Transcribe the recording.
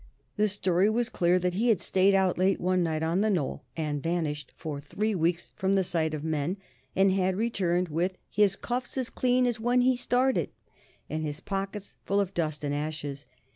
The story was clear that he had stayed out late one night on the Knoll and vanished for three weeks from the sight of men, and had returned with "his cuffs as clean as when he started," and his pockets full of dust and ashes.